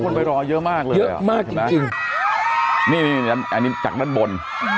ไปรอเยอะมากเลยเยอะมากจริงจริงนี่นี่อันนี้จากด้านบน